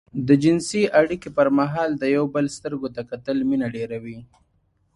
د جنسي اړيکې پر مهال د يو بل سترګو ته کتل مينه ډېروي.